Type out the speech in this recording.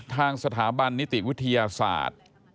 ทางสถาบันนิติวิทยาศาสตร์